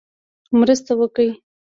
مرسته وکړي.